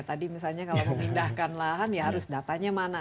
tadi misalnya kalau memindahkan lahan ya harus datanya mana